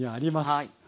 はい。